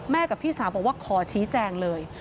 กับพี่สาวบอกว่าขอชี้แจงเลย